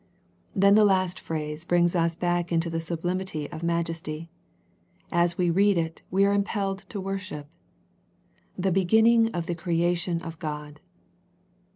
Then the last phrase brings us back into the sublimity of majesty. As we read it, we are impelled to worship. " The beginning of the creation of God."